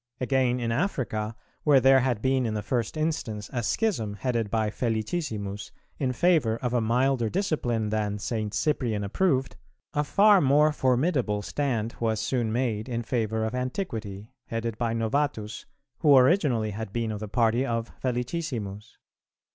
Again, in Africa, where there had been in the first instance a schism headed by Felicissimus in favour of a milder discipline than St. Cyprian approved, a far more formidable stand was soon made in favour of Antiquity, headed by Novatus, who originally had been of the party of Felicissimus.